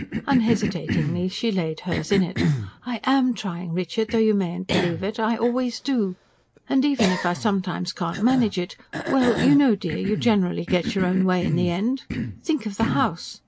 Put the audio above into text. Unhesitatingly she laid hers in it. "I am trying, Richard, though you mayn't believe it. I always do. And even if I sometimes can't manage it well, you know, dear, you generally get your own way in the end. Think of the house.